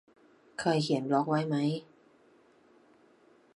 เคยเขียนบล็อกไว้ไหม